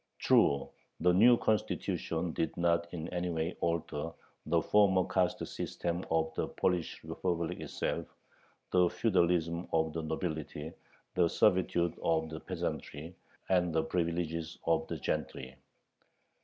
True, the new Constitution did not in any way alter the former caste system of the Polish Republic itself the feudalism of the nobility, the servitude of the peasantry, and the privileges of the gentry.